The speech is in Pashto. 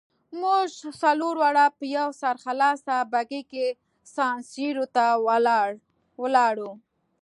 موږ څلور واړه په یوه سرخلاصه بګۍ کې سان سیرو ته ولاړو.